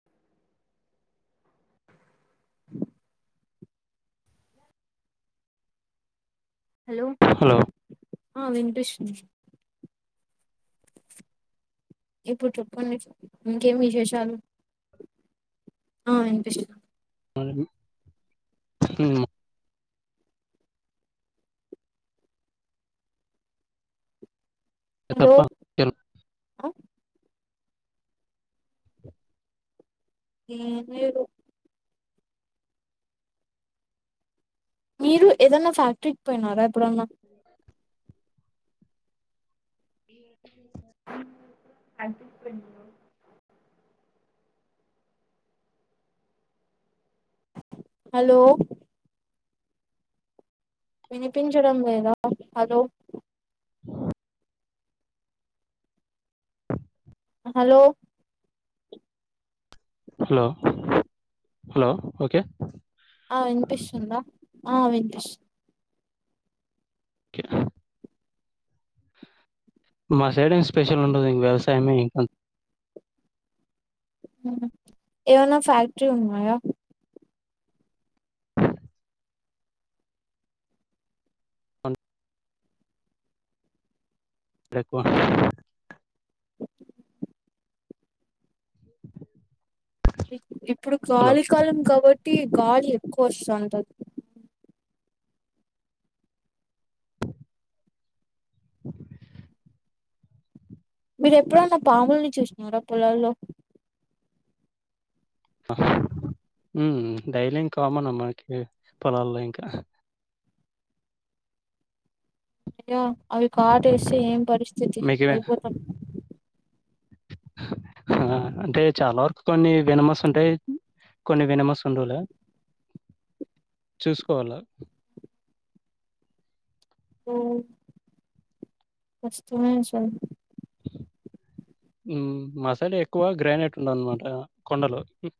Blank hello హ ఆ వెంకటేష్డి ఇప్పుడు చెప్పుండి ఇంకేం విశేషాలు ఆ ఇనిపిష్ట అనలు ఉ హలో తప్ప అ ఏమిలేదు మీరు ఏదన్నా ఫ్యాక్టరీకి పోయినారా ఎప్పుడన్నా? బ్లాంక్ అంటి అలో వినిపించడం లేదా hello? Blank hello hello hello okay ఆ వినిపిస్తుందా ఆ వినిపిస్ కెనా మా సైడ్ ఏం స్పెషల్ ఉండదు ఇంగ వ్యవసాయమే ఇంక ఉమ్ ఏమన్నా ఫ్యాక్టరీ ఉన్నాయా? తక్కువ ఇప్పుడు హలో గాలి కాలం కాబట్టి గాలి ఎక్కువ వస్తుంది. మీరు ఎప్పుడన్న పాముల్ని చూసినారా పొలాల్లో? మ్ డైలీ ఇంకా కామన్ మనకి పొలాల్లో ఇంకా యా అవి కాటేస్తే ఏం పరిస్థితి మీకు అయిపోతం హా అంటే చాలా వరకు కొన్ని వినమస్ ఉంటాయి. కొన్ని వినమస ఉండలులె చూసుకోవాల ఉమ్ వస్తున్నాయ్ సార్? బ్లాంక్ ఉ మసాలా ఎక్కువ గ్రానేట్ ఉండదన్నమాట కొండలో ఉ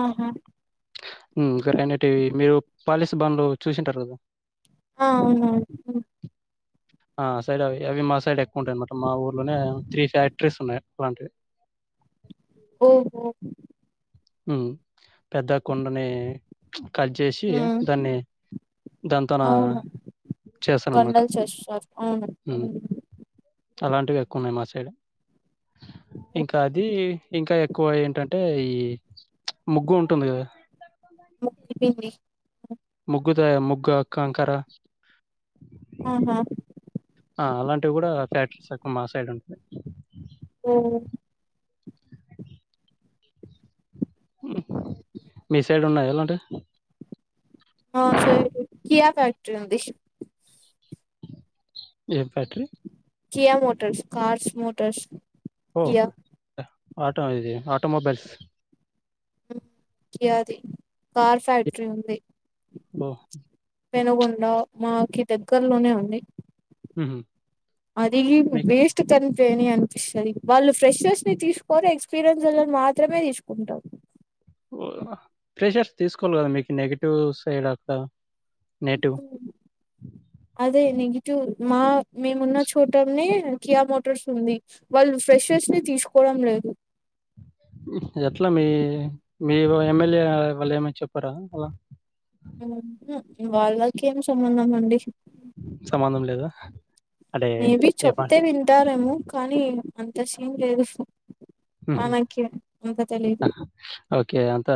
ఆహా ఉ ర అన్నిటివి మీరు పాలస భవన్లు చూసింటారు కదా ఆ అవునువును ఆ సైడ్ అ అవి మా సైడ్ ఎక్కువ ఉంటాయి అన్నమాట మా ఊర్లోనే త్రీ ఫ్యాక్ట అడ్రెస్ ఉన్నాయి అలాంటివి ఓ హు పెద్ద కొండని కట్ జోషి హ్మ్ దాన్ని దాంతో నా కొండల్ చేశర్ హు అలాంటివి ఎక్కువ ఉన్నయి మా సైడ్. ఇంకా అది ఇంకా ఎక్కువ ఏంటంటే ఈ ముగ్గు ఉంటుంది కదా ము కు పిండి ముగ్గుదాయ ముగ్గ కంకరా ఆహా ఆ అలాంటివి కూడ ఫ్యాక్టరీస్ అకు మా సైడ్ ఉంటది. ఓ మీ సైడ్ ఉన్నయా ఇలాంటి ఆ చె కియా ఫ్యాక్టరీ ఉంది. ఏం factory? Kia motors cars motors ఓ అ ఆటో ఇది ఆటోమొబైల్స్ ఉ కియాది కార్ ఫ్యాక్టరీ ఉంది. ఓహ్! పెనుగొండ మాకి దగ్గర్లోనే ఉంది. ఉహు అది వేస్ట్ కనిపోయిని అనిపిస్తది. వాళ్ళు ఫ్రెషర్స్ ని తీస్కొరు ఎక్స్ పిరోన్స్ ఒళ్లనే మాత్రమే తీసుకుంటర్ ఆ ప్రెషర్స్ తీసుకోలి కదా మీకు నెగిటివ్ సైడ్ అక్కడ నెటివ్ అదే నెగిటివ్ మా మేమున్న చోటనే కియా మోటార్స్ ఉంది. వాళ్ళు ఫ్రెషర్స్ ని తీసుకోవడం లేదు. ఎట్లా మీ మీ వో ఎమ్మెల్యే వాళ్ళు ఏమి చెప్పరా అలా ఉహు వాళ్ళకి ఏం సంబంధం అండి సంబంధం లేదా అంటే మే బి ఏమా చెప్తే వింటారేమో కానీ అంత సీన్ లేదు, ఉహు. మనకి అంత తెలిదు. ఓకే అంతా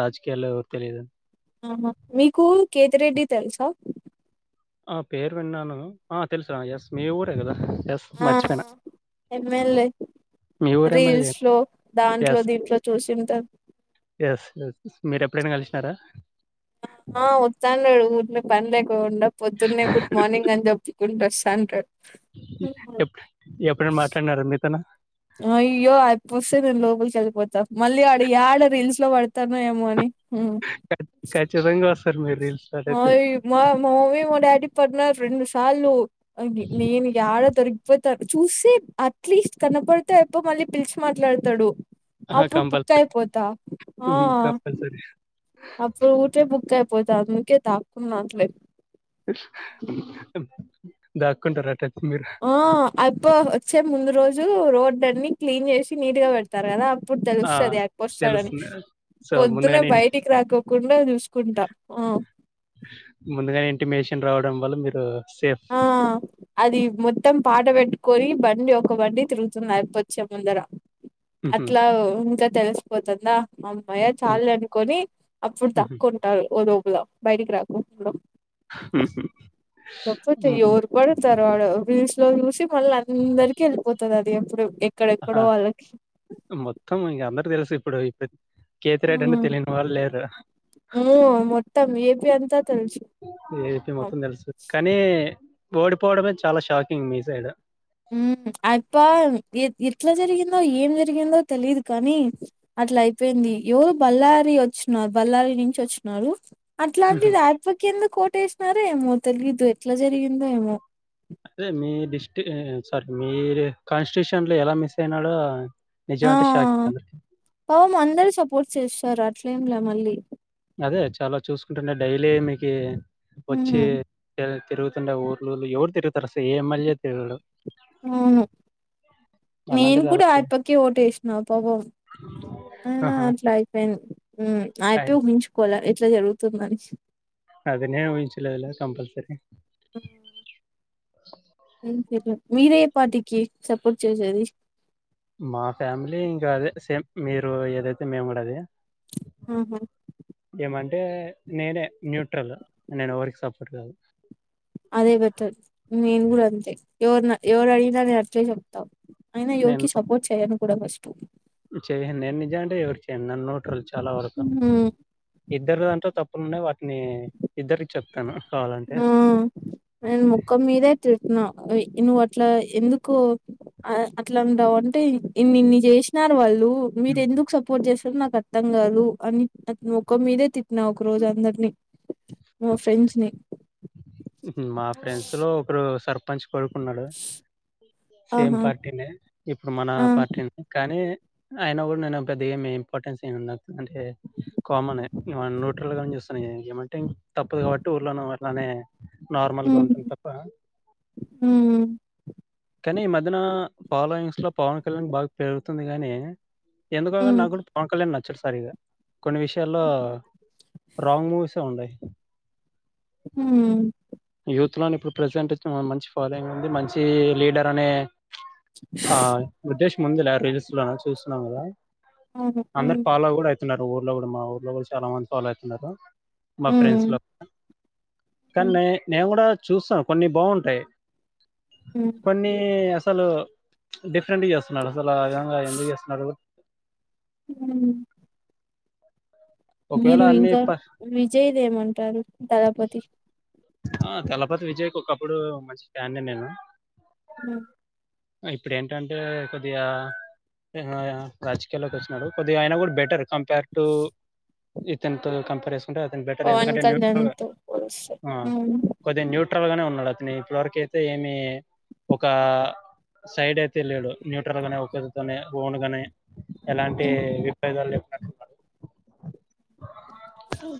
రాజకీయాల్లో తెలిదు ఆహా మీకూ కేతిరెడ్డి తెల్సా? ఆ పేరు విన్నాను. ఆ తెల్సు ఆ ఎస్ మీ ఊరే కదా ఎస్. ఆ మర్చిపెన ఎమ్మెల్యే రీల్స్ లో దాంట్లో ఎస్ దీంట్లో చూసింటర్ ఎస్ ఎస్ మీరేప్పుడైనా కలిసినారా? ఆ ఆ వచ్చండడు ఊర్నే పన్ లేకొకుండ పొద్దునే గుట్ మార్నింగ్ అన్ చెప్పుకుంటు వస్తంటడ్ హి ఎప్ ఎప్పుడేన మాట్లాడినార మీతొన? అయ్యో ఆయప్ప వస్తే నేన్ లోపల్కి ఎల్లిపోత. మళ్ళీ ఆడ యాడ రీల్స్ లో పడతనో ఏమో అని. క ఖచ్చితంగా వస్తరు మీర్ రీల్ స్టార్ట్ అయితే ఓయ్ మా మమ్మీ మా డాడీ పడ్నారు రెండు సార్లు. ఆగి నేను యాడ దొరి పొతా చూసి అట్లీస్ట్ కనపడితే అయప్ప మళ్ళీ పిలిచి మాట్లడతడు. అప్పుడు కంపల్సరీ బుక్కయిపోతా ఆ కంపల్సరీ తే బుక్ అయిపోత అందుకే దాక్కున్న అట్లే దాక్కుంటర్ అట్టయితే మీరు ఆ ఆయప్ప వచ్చే ముందు రోజు, రోడ్ లన్ని క్లీన్ చేసి నీట్గా వెడ్ స్తరు కదా అప్పుడు ఆ, తెలుస్తది ఎక్క వస్తడని తెలుస్తుంది సో పొద్దున్నే ముందుగానే బయటికి రాకోకుండా చూసుకుంటా ఆ ముందుగానే ఇంటిమేషన్ రావడం వల్ల మీరు సేఫ్ ఆ అది మొత్తం పాట పెట్టుకొని బండి ఒక బండి తిరుగుతున్నాది వచ్చే ముందర హుహు. అట్లా ఇంకా తెలిసిపోతందా అమ్మయ్య హ్మ్. చాలులే అనుకొని అప్పుడు హుహు. తక్కు ఉంటారు, ఓ లోపులో బయటికి రాకోకుండా ఉహు పడుతారు ఆడు ఫీస్ లో చూసి మళ్ళ అందరికి ఎళ్ళిపోతది అది ఎప్పుడు అక్కడెక్కడో ఆహా! వాళ్ళకి మొత్తం ఇగ అందరు తెలుసు ఇప్పుడు ఇప్పుడ్ ఉమ్, ఉమ్ మొత్తం ఏ పి అంతా తెలుసు ఏ పి మొత్తం తెలుసు కానీ, ఓడిపోవడమే చాలా షాకింగ్ మీ సైడు ఉమ్ ఆయప్ప ఎ ఎట్ల జరిగిందో, ఏం జరిగిందో తెలిదు కానీ అట్ల అయిపోయింది, ఎవరు బళ్లారి వచ్చిన బళ్లారి నుంచి వచ్చిన్నారు. హుహు. అట్లాంటిదాయప్పకెందుకు కోటేసినారో ఏమో తెలియదు, ఎట్లా జరిగిందో ఏమో. అదే మీ డిస్టి సారీ మీరు కాన్స్టిట్యూషన్ లో ఎలా మిస్ అయినాడో నిజ అంటే షాక్ అయి ఓ మందరు సపోర్ట్ చేస్తారు అట్లే ఏం లే మళ్ళీ అదే చాలా చూసుకుంటాండే డైలీ మీకి వచ్చి హ్మ్. తి తిరుగుతుండే ఊర్లూళ్లు, ఎవరు తరుగుతారసలు ఏ ఎం ఎల్ తిగుడు. అవును నేను అలాంటిది కూడా అలా ఆయప్పకే ఓటు వేసినా పావం. ఐనా ఆహా! అట్ల అయిపోయింది, ఉమ్ అయ్ ఆయప్పే ఊహించుకోల ఇట్ల జరుగుతుందని అదేనే ఊహించలేదులే కంపల్సరి. ఉమ్ సర్లే మీరే పార్టీకి సపోర్ట్ చేసేది? మా ఫ్యామిలీ ఇంకా అదే సేమ్, మీరు ఏదైతే మేం కూడా అదే ఉహు ఏమంటే నేనే న్యూట్రల్, నేను ఎవరికి సపోర్ట్ కాదు. అదే బెటర్ నేను గుడా అంతే, ఎవర్న ఎవరు అడిగినా నేనట్లే చెప్తా. అయినా యోకి సపోర్ట్ చేయ్యను కూడా ఫస్టు. చేయండి నేను నిజ అంటే ఎవరికి చేయను నేన్ న్యూట్రల్ చాలా వరకు. ఉమ్, ఇద్దరు దాంట్లో తప్పులున్నయ్ వాటిని ఇద్దరికి చెప్తాను కావాలంటే. ఆ నేను ముడు కొన్ని మీదే తిరుతున్నా, ఏంది నువ్వు అట్లా ఎందుకు ఆ అట్లా ఉండావు అంటే ఇన్ని ఇన్ని చేసినారు వాళ్ళు. మీరు ఉమ్, ఎందుకు సపోర్ట్ చేస్తరు నాకు అర్థం కాదు అని, త మొకం మీదే తిట్టిన ఒక రోజు అందరినీ మ ఫ్రెండ్చ్ ని ఉహు మా ఫ్రెండ్స్ లో ఒకరు సర్పంచ్ కొడుకున్నడు. సేమ్ ఆహా పార్టీనే ఇప్పుడు మన ఆ పార్టీనే కానీ అయిన గుడ నేనో పెద్ద ఏమి ఇంపార్టెన్స్ ఏంలే నాకు అంటే కామనే న్యూట్రల్ గానే చూస్తున్నయే ఏమంటే తప్పదు కాబట్టి ఊర్లోన అట్లనే నార్మల్ గా ఉంటం ఉమ్ తప్ప ఉమ్ కానీ ఈ మధ్యన ఫాలోయింగ్స్ లో పవన్ కళ్యాణ్ బాగా పెరుగుతుంది గాని ఎందుకోగని ఉమ్ నా గుడ పవన్ కళ్యాణ్ నచ్చడు సరిగ్గా కొన్ని విషయాల్లో రాంగ్ మూవీసే ఉన్నాయి ఉమ్ యూత్ లోనే ఇప్పుడు ప్రజెంట్ మంచి ఫాలోయింగ్ ఉంది మంచి లీడర్ అనే ఆ ఉద్దేష్ ముందులా రీల్స్ లో చూస్తున్నాం కదా అవును ఉమ్ అందరూ ఫాలో కూడా అయితున్నారు ఊర్లో కూడా మా ఊర్లో కూడా చాలా మంది ఫాలో అవుతున్నారు మా ఫ్రెండ్స్ ఉమ్ లో కానీ ఉమ్ నే నేను కూడా చూస్తాను కొన్ని బాగుంటాయి ఉ కొన్ని అసలు డిఫరెంట్ చేస్తున్నారు అసలు ఆ విధంగా ఎందుకు చేస్తున్నారు హ ఒకవేళ మీరు అన్ని ఇంకా ప విజయ్ దేమ అంటారు దళపతి ఆ దళపతి విజయ్ ఒకప్పుడు మంచి ఫ్యాన్నేను ఉ ఇప్పుడు ఏంటంటే కొద్దిగా రాజకీయాల్లోకి వచ్చినాడు కొద్దిగా అయినా కూడా బెటర్ కంపేర్ టు ఇతని తో కంపేర్ చేసుకుంటే అతను బెటర్ ఎందుకంటే న్యూట్రల్‌గా వ ఆ కొద్ది న్యూట్రల్గానే ఉన్నాడు అతను ఇప్పటివరకు అయితే ఏమి ఒక సైడ్ అయితే వెళ్ళడు న్యూట్రల్ గానే ఒకతోనే ఓన్ గానే ఎలాంటి ఉమ్, విభేదాలు లేకుండా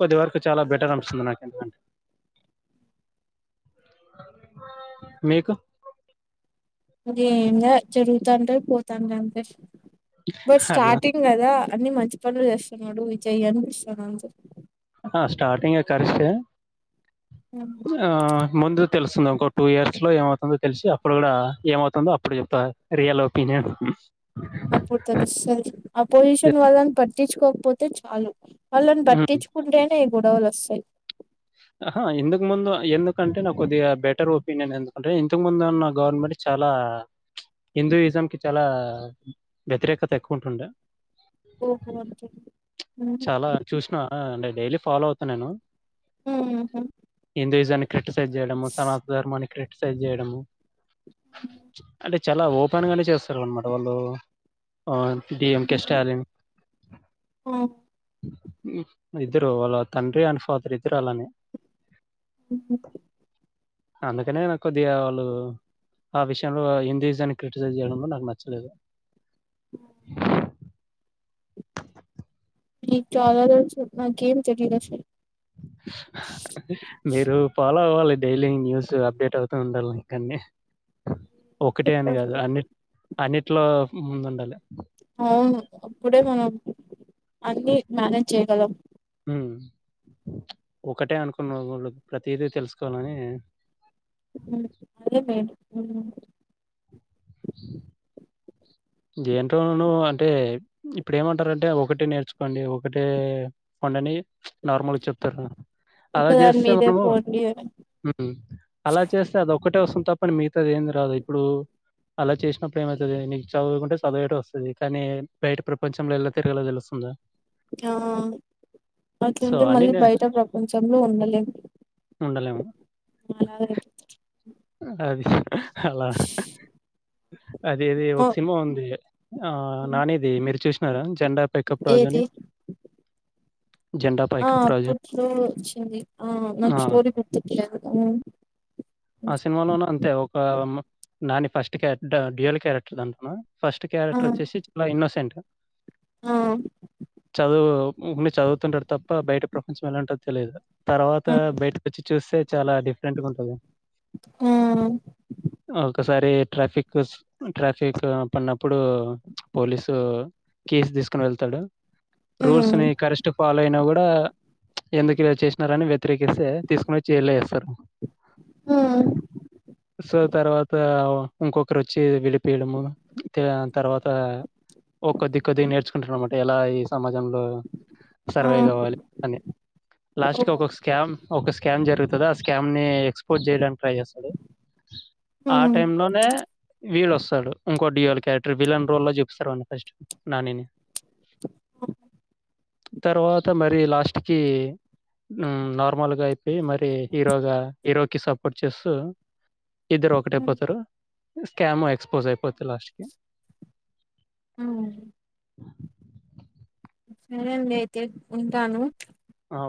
కొద్ది వరకు చాలా బెటర్ అనిపిస్తుంది నాకు ఎందుకంటే మీకు ఏం లే జరుగుతాంట పోతాంట అంటే బట్ అట్లా స్టార్టింగ్ కదా అన్ని మంచి పనులు చేస్తున్నాడు విజయ అనిపిస్తాను అంతే ఆ స్టార్టింగే కరెక్టే ఉ ఆ ముందు తెలుస్తుంది ఇంకో టూ ఇయర్స్ లో ఏమవుతుందో తెలిసి అప్పుడు కూడా ఏమవుతుందో అప్పుడు చెప్త రియల్ ఒపీనియన్ అప్పుడు తెలుస్తది అపోజిషన్ వాళ్ళని పట్టించుకోకపోతే చాలు వాళ్ళని పట్టించుకుంటేనే గొడవలు వస్తాయి హా ఇందుకు ముందు ఎందుకంటే నాకు కొద్దిగా బెటర్ ఒపీనియన్ ఎందుకంటే ఇంతకు ముందు ఉన్న గవర్నమెంట్ చాలా హిందూయిజం కి చాలా వ్యతిరేకత ఎక్కువ ఉంటుండే ఓహ చాలా చూసిన అంటే డైలీ ఫాలో అవుతా నేను హిందూయిజాన్ని క్రిటిసైజ్ చేయడము సనాతన ధర్మాన్ని క్రిటిసైజ్ చేయడము అంటే చాలా ఓపెన్ గానే చేస్తారు అనమాట వాళ్ళు ఆ డి ఎంకె స్టాలిన్ ఓ ఇద్దురు అళ్ళ తండ్రి అండ్ ఫాదర్ ఇద్దరు అలానే ఉ అందుకనే నాకి కొద్దిగా వాళ్ళు ఆ విషయంలో హిందీజాన్ని క్రిటిసైజ్ చేయడంలో నాకు నచ్చలేదు మీకు చాలా తెలుసు నాకేం తెలీదు అసలు హా మీరు ఫాలో అవ్వాలి డైలీ న్యూస్ అప్డేట్ అవుతూ ఉండాలి ఇంకండి ఒకటే అని కాదు అన్ని అన్నిట్లో ముందు ఉండాలి అవును అప్పుడే మనం అన్ని మానేజ్ చేయ్యగలం వ్మ్ ఒకటే అనుకున్న ఒళ్ళు ప్రతిదీ తెలుసుకోవాలని వ్మ్ అదే మేన్ హ్మ్ దేంటోనోను అంటే ఇప్పుడు ఏమంటారంటే ఒకటే నేర్చుకోండి ఒకటే వండని మ్చ్ నార్మల్గా చెప్తారు అలా ఒకదాని చేస్తే మీదే మనము పోండి వ్మ్ అలా చేస్తే అది ఒక్కటే వస్తుంది తప్పని మిగతాది ఏంది రాదు ఇప్పుడు అలా చేసినప్పుడు ఏమైతది నీకు చదువుకుంటే చదవేటేవి వస్తది కానీ బయట ప్రపంచంలో ఎలా తిరగలో తెలుస్తుందా ఆ సో, అట్లుంటే అన్నీ మళ్ళీ నే బయట ప్రపంచంలో ఉండలేం ఉండలేం అలాగే అది అలా అది అది ఆ ఒక సీమ ఉంది ఆ నానిది మీరు చూసినారా జెండా పికప్ రాజుని ఏది ఆ అప్పుట్లో వచ్చింది ఆ నాకు ఆ! స్టోరి గుర్తుకులేదు ఆ సినిమాల్లోనా అంతే ఒక నాని ఫస్ట్ క ట డగియల్ క్యారెక్టర్ అన్న ఫస్ట్ ఆ ఆ క్యారెక్టర్ వచ్చేసి చాలా ఇన్నోసెంట్ ఆ చదువు చదువుతుంటాడు తప్ప బయట ప్రపంచం ఎలాంటోద్ తెలిదు తర్వాత బయటకి వచ్చి చూస్తే చాలా డిఫరెంట్ గా ఉంటది ఆ ఒక్కసారి ట్రాఫిక్ స్ ట్రాఫిక్ పడినప్పుడు పోలీసు కీసు తీసుకుని వెళ్తాడు రూల్స్ ఉమ్ ని కరశ్ ఫాలో అయినా కూడా ఎందుకు ఇలా చేసినారని వ్యతిరేకిస్తే తీసుకొని జైల్లో ఏస్తారు. హ్మ్ సో తర్వాత ఓ ఇంకొకరు వచ్చి వీడిపియడము తర్వాత ఒక్కొద్ది కొద్దిగా నేర్చుకుంటార అనమాట ఎలా ఈ సమాజంలో ఆ సర్వే కావాలి అని ఓ లాస్ట్ కి ఒక్కొ స్కామ్ ఒక స్కామ్ జరుగుతుంది ఆ స్కామ్ ని ఎక్స్పోజ్ చేయడానికి ట్రై చేస్తాడు. ఆ ఉమ్ టైమ్ లోనే వీళ్ళు వస్తారు ఇంకో డియోల్ క్యారెటర్ విలన్ రోల్లో చూపిస్తారు వాన్ని ఫస్ట్ నానిని ఆ తర్వాత మరి లాస్ట్ కి వ్మ్ నార్మల్గా అయిపోయి మరి హీరోగా హీరోకి సపోర్ట్ చేస్తూ ఇద్దరు ఉమ్ ఒకటైపోతారు స్కామ్ ఎక్స్పోజ్ అయిపోతది లాస్ట్ కి హ్మ్ బ సరేండి అయితే ఉంటాను ఆ